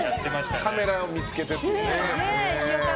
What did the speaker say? カメラを見つけてってやつね。